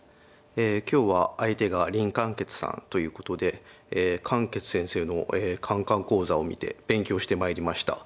今日は相手が林漢傑さんということで漢傑先生のカンカン講座を見て勉強してまいりました。